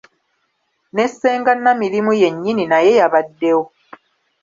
Ne ssenga Namirimu yennyini naye yabaddewo.